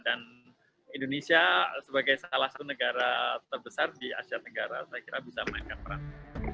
dan indonesia sebagai salah satu negara terbesar di asia tenggara saya kira bisa memainkan perang